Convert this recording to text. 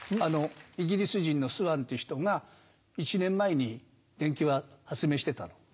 イギリス人のスワンっていう人が１年前に電球発明してたの。